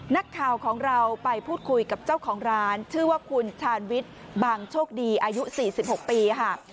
นักข่าวของเราไปพูดคุยกับเจ้าของร้านชื่อว่าคุณชาญวิทย์บางโชคดีอายุ๔๖ปีค่ะ